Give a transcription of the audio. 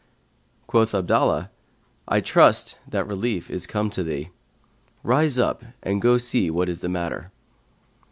Quoth Abdallah, I trust that relief is come to thee: rise up and go see what is the matter.'